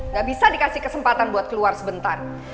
gak bisa dikasih kesempatan buat keluar sebentar